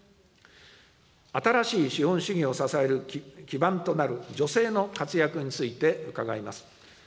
新しい資本主義を支える基盤となる女性の活躍について伺います。